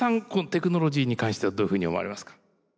テクノロジーに関してはどういうふうに思われますか？